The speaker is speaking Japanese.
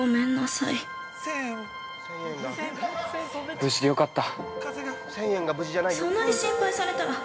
◆無事でよかった。